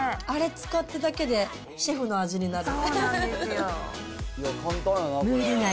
あれ使っただけでシェフの味になる。